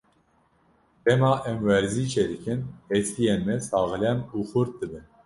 Dema em werzîşê dikin, hestiyên me saxlem û xurt dibin.